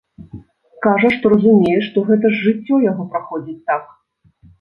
Кажа, што разумее, што гэта ж жыццё яго праходзіць так.